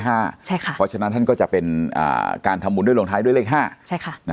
เพราะฉะนั้นท่านก็จะเป็นการทำบุญด้วยลงท้ายด้วยเลข๕